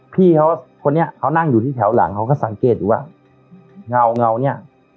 พี่เขาคนนี้เขานั่งอยู่ที่แถวหลังเขาก็สังเกตอยู่ว่าเงาเงาเนี่ย